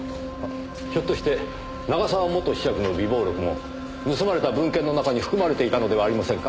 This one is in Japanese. ひょっとして永沢元子爵の備忘録も盗まれた文献の中に含まれていたのではありませんか？